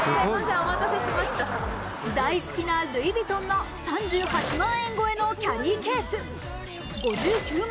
大好きなルイ・ヴィトンの３８万円超えのキャリーケース、５９万